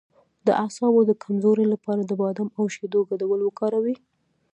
د اعصابو د کمزوری لپاره د بادام او شیدو ګډول وکاروئ